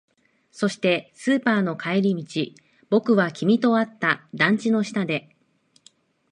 そして、スーパーの帰り道、僕は君と会った。団地の下で。